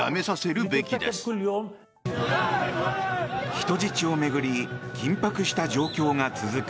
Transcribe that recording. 人質を巡り緊迫した状況が続く